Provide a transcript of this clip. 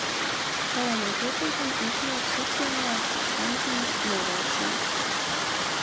Tajā nav pietiekami iekļauta sociālā dempinga novēršana.